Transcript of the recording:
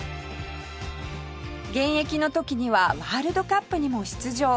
現役の時にはワールドカップにも出場